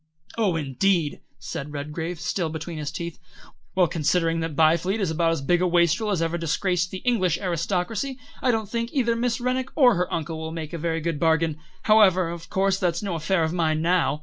"Oh, indeed!" said Redgrave, still between his teeth. "Well, considering that Byfleet is about as big a wastrel as ever disgraced the English aristocracy, I don't think either Miss Rennick or her uncle will make a very good bargain. However, of course that's no affair of mine now.